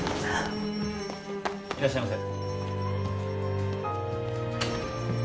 いらっしゃいませ。